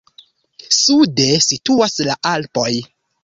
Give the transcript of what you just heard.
Sude situas la Alpoj.